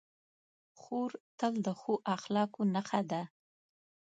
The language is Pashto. خور تل د ښو اخلاقو نښه ده.